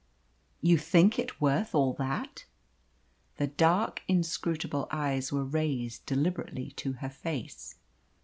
"You think it worth all that?" The dark, inscrutable eyes were raised deliberately to her face.